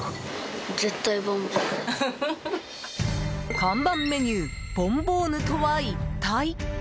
看板メニューボンボーヌとは一体？